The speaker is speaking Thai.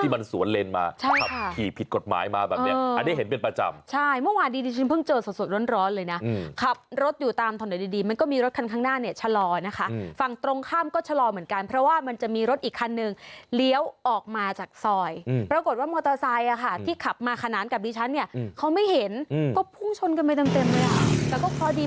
เพราะว่ามันสวนเลนมาขับขี่ผิดกฎหมายมาแบบนี้